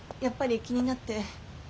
やっぱり気になって。